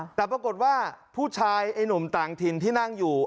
แต่ปรากฏว่าผู้ชายไอ้หนุ่มต่างถิ่นที่นั่งอยู่